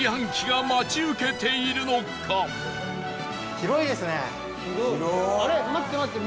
広いですね。